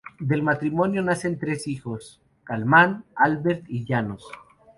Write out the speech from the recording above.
Del matrimonio nacen tres hijos: Kálmán, Albert y János.